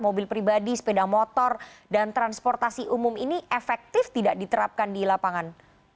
mobil pribadi sepeda motor dan transportasi umum ini efektif tidak diterapkan di lapangan